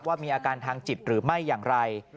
มีอาการทางจิตหรือไม่อย่างไร